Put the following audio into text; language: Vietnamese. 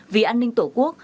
vì an ninh tổ quốc